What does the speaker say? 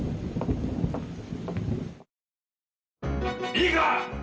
いいか！